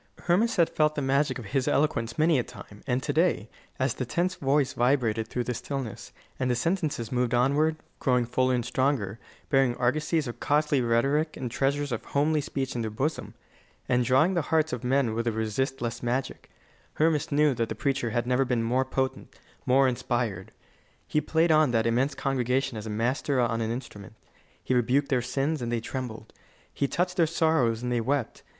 Hermas had felt the magic of his eloquence many a time; and to day, as the tense voice vibrated through the stillness, and the sentences moved onward, growing fuller and stronger, bearing argosies of costly rhetoric and treasures of homely speech in their bosom, and drawing the hearts of men with a resistless magic, Hermas knew that the preacher had never been more potent, more inspired. He played on that immense congregation as a master on an instrument. He rebuked their sins, and they trembled. He touched their sorrows, and they wept.